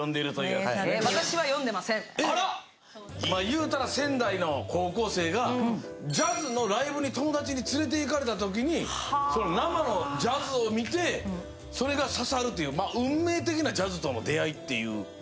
言うたら仙台の高校生がジャズのライブに友達につれていかれたときに、生のジャズを見て、それが刺さるという、運命的なジャズとの出会いっていう。